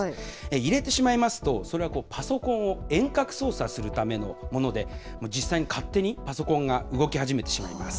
入れてしまいますと、それはパソコンを遠隔操作するためのもので、実際に勝手にパソコンが動き始めてしまいます。